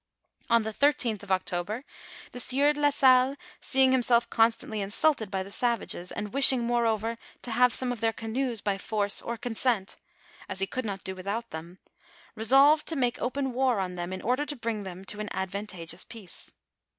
On the thirteenth of Oc^>l)or, the sieur de la Salle seeing himself constantly insulted by the savages, and wishing, moreover, to have some of their canoes by force or consent, as he could not do without them, resolved to make open war on them in order to bring tVunu to an advantageous peace.